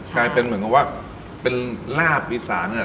กลายเป็นเหมือนกับว่าเป็นลาบอีสานเนี่ย